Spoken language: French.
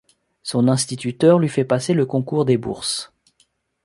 Son instituteur lui fait passer le concours des bourses.